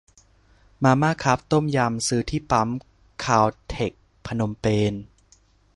มาม่าคัพต้มยำ ซื้อที่ปั๊มคาลเท็กซ์พนมเปญ